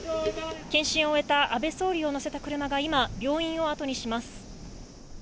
検診を終えた安倍総理を乗せた車が今、病院を後にします。